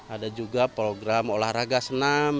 ada juga program olahraga senam